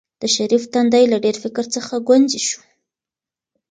د شریف تندی له ډېر فکر څخه ګونځې شو.